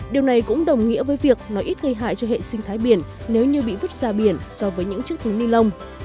điều này cũng đồng nghĩa với việc nó ít gây hại cho hệ sinh thái biển nếu như bị vứt ra biển so với những chiếc túi ni lông